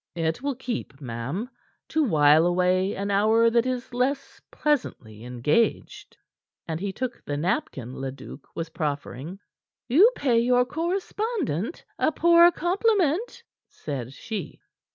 "It will keep, ma'am, to while away an hour that is less pleasantly engaged." And he took the napkin Leduc was proffering. "You pay your correspondent a poor compliment," said she.